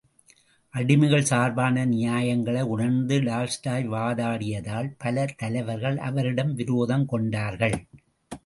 அடிமைகள் சார்பான நியாயங்களை உணர்ந்து டால்ஸ்டாய் வாதாடியதால் பல தலைவர்கள் அவரிடம் விரோதம் கொண்டார்கள்.